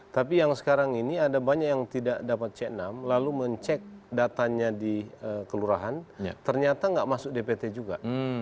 tapi yang sekarang ini ada banyak yang tidak dapat c enam lalu mencek datanya di kelurahan ternyata nggak masuk dpt juga